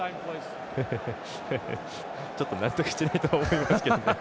ちょっと納得してないと思いますけどね。